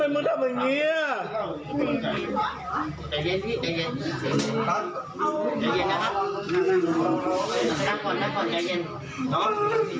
นั่งก่อนใจเย็น